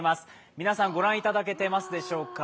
皆さん、ご覧いただけていますでしょうか。